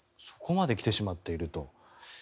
そこまで来てしまっていると。